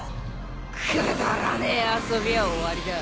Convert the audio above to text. くだらねえ遊びは終わりだ。